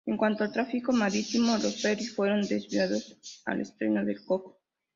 En cuanto al tráfico marítimo, los ferrys fueron desviados al estrecho de Cook.